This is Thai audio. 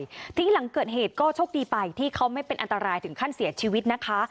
ทีนี้หลังเกิดเหตุก็โชคดีไปที่เขาไม่เป็นอันตรายถึงขั้นเสียชีวิตนะคะ